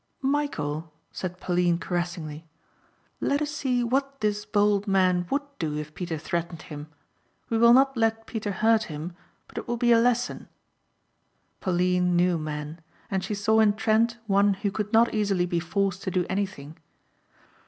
"Michæl," said Pauline caressingly, "let us see what this bold man would do if Peter threatened him. We will not let Peter hurt him but it will be a lesson." Pauline knew men and she saw in Trent one who could not easily be forced to do anything.